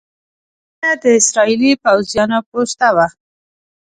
دلته د اسرائیلي پوځیانو پوسته وه.